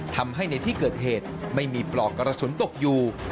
ทำให้ในที่เกิดเหตุไม่มีปลอกกระสุนตกอยู่